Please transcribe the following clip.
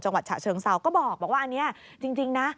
ฉะเชิงเซาก็บอกว่าอันนี้จริงนะ